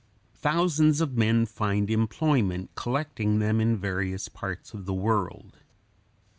Thousands of men find employment collecting them in various parts of the world.